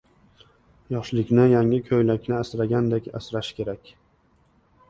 • Yoshlikni yangi ko‘ylakni asaragandek asrash kerak.